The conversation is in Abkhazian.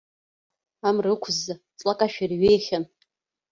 Амра ықәызза ҵлак ашәара иҩеихьан.